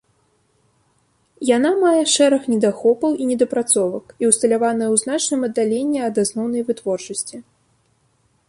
Яна мае шэраг недахопаў і недапрацовак і ўсталяваная ў значным аддаленні ад асноўнай вытворчасці.